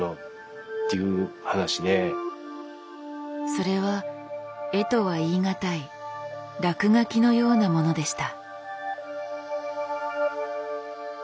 それは絵とは言い難い落書きのようなものでした。